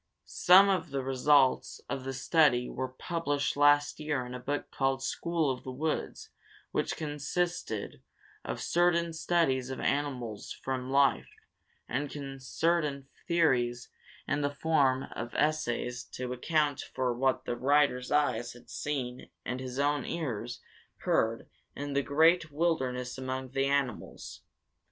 Some of the results of this study were published last year in a book called "School of the Woods," which consisted of certain studies of animals from life, and certain theories in the form of essays to account for what the writer's eyes had seen and his own ears heard in the great wilderness among the animals.